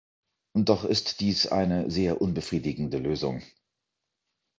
Doch ist dies eine sehr unbefriedigende Lösung.